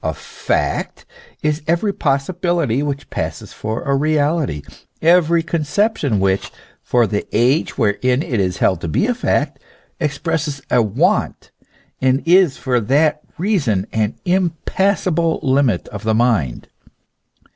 A fact is every possibility which passes for a reality, every conception which, for the age wherein it is held to be a fact, expresses a want, and is for that reason an impassable limit of the mind.